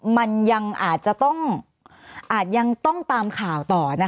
มันยังอาจจะต้องอาจยังต้องตามข่าวต่อนะคะ